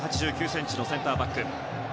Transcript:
１８９ｃｍのセンターバック。